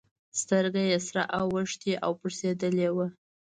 سترگه يې سره اوښتې او پړسېدلې وه.